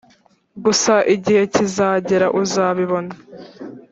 Gusa igihe kizagera uzabibona